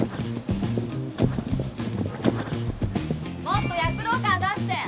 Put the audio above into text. もっと躍動感出して！